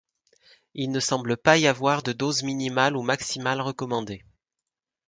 Il ne semble pas y avoir de dose minimale ou maximale recommandée.